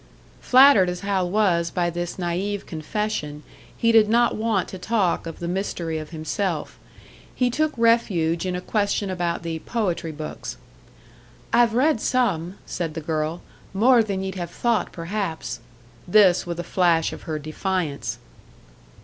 Flattered as Hal was by this naïve confession, he did not want to talk of the mystery of himself. He took refuge in a question about the "poetry books." "I've read some," said the girl; "more than ye'd have thought, perhaps." This with a flash of her defiance.